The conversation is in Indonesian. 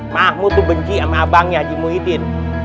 mahmud tuh benci sama abangnya aji muhyiddin